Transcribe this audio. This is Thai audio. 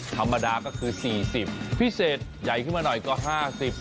ธรรมดาก็คือ๔๐พิเศษใหญ่ขึ้นมาหน่อยก็๕๐บาท